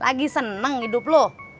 lagi seneng hidup lo